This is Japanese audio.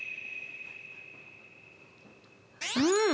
うん。